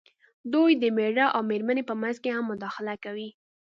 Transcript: دوی د مېړۀ او مېرمنې په منځ کې هم مداخله کوي.